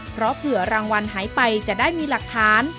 เพราะเผื่อรางวัลหายไปจะได้มีหลักฐาน